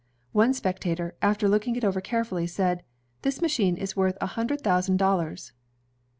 One spectator, after looking it over care fully, said, "This machine is worth a hundred thousand dollars."